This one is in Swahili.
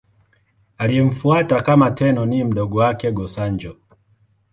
Aliyemfuata kama Tenno ni mdogo wake, Go-Sanjo.